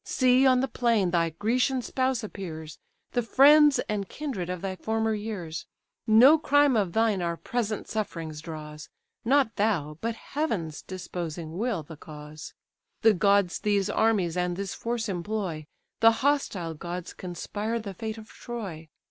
See on the plain thy Grecian spouse appears, The friends and kindred of thy former years. No crime of thine our present sufferings draws, Not thou, but Heaven's disposing will, the cause The gods these armies and this force employ, The hostile gods conspire the fate of Troy.